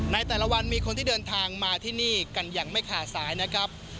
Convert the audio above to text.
ในแต่ละวันมีคนที่เดินทางมาที่นี่กันอย่างไม่ขาดสายนะครับ